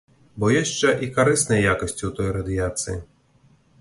Бо ёсць жа і карысныя якасці ў той радыяцыі.